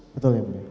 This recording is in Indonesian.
betul yang mulia